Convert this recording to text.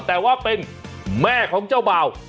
แต่ว่าเป็นแม่ของเจ้าบ่าว